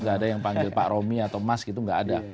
nggak ada yang panggil pak romi atau mas gitu nggak ada